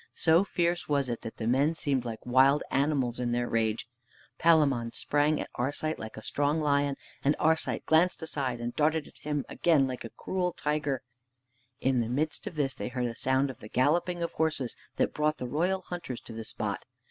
So fierce was it that the men seemed like wild animals in their rage. Palamon sprang at Arcite like a strong lion, and Arcite glanced aside and darted at him again like a cruel tiger. In the midst of this they heard a sound of the galloping of horses that brought the royal hunters to the spot.